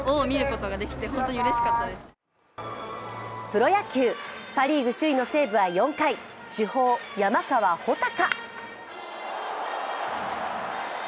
プロ野球、パ・リーグ首位の西武は４回、主砲・山川穂高。